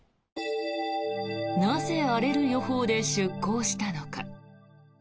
なぜ、荒れる予報で出航したのか。